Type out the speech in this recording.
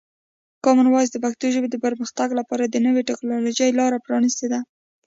کامن وایس د پښتو ژبې د پرمختګ لپاره د نوي ټکنالوژۍ لاره پرانیستې ده.